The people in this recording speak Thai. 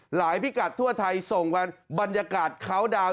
หลายพิกัดทั่วไทยส่งมาบรรยากาศขาวดาว